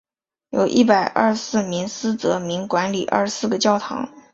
由一百廿四名司铎名管理廿四个堂区。